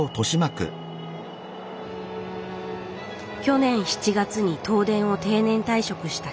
去年７月に東電を定年退職した北村さん。